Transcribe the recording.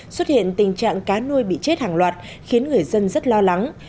xuất hiện tình trạng cá nuôi bị chết hàng loạt khiến người dân rất lo lắng